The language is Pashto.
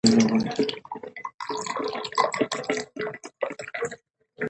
ناروغ ته پر وخت درملنه مهمه ده.